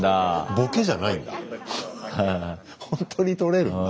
ボケじゃないんだ。